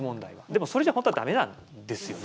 でもそれじゃ本当は駄目なんですよね。